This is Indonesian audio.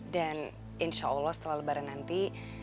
dan insya allah setelah lebaran nanti